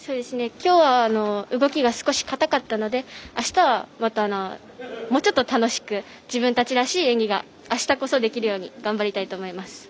きょうは動きが少し硬かったのであしたは、またもうちょっと楽しく自分たちらしい演技があしたこそできるように頑張りたいと思います。